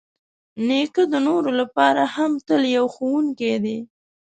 نیکه د نورو لپاره هم تل یو ښوونکی دی.